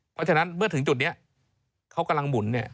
เพราะฉะนั้นเมื่อถึงจุดนี้เขากำลังหมุนเนี่ย